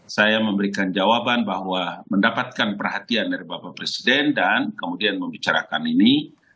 saya memberikan jawaban bahwa mendapatkan perhatian dari bapak presiden dan kemudian membicarakan ini